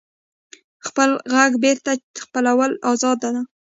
خپل غږ بېرته خپلول ازادي ده.